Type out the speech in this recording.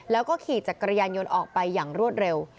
แล้วก็ขี่จักรยานยนต์ออกไปอย่างรวดเร็ว